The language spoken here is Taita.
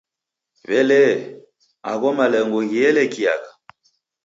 W'elee, agho malengo ghielekiagha?